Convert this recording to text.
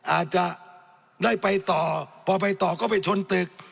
อาจจะได้ไปต่อพอไปต่อก็ไปชนตึก